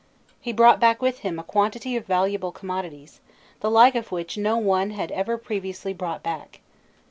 He brought back with him a quantity of valuable commodities, "the like of which no one had ever previously brought back."